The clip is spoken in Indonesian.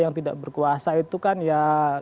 yang tidak berkuasa itu kan ya